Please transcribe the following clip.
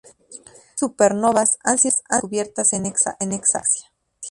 Tres supernovas han sido descubiertas en esta galaxia.